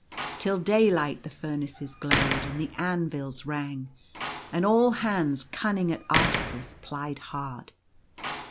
Till daylight the furnaces glowed and the anvils rang; and all hands cun ning at artifice plied hard.